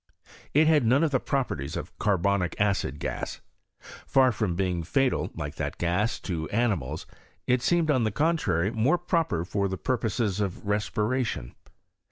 7. it had none of the properties of carbonic acid gas. Far from being fatal, like that gas, to animals, it seemed on the contrary more proper for the purposes of respiration.